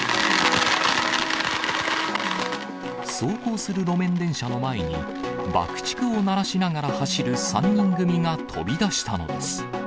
走行する路面電車の前に、爆竹を鳴らしながら走る３人組が飛び出したのです。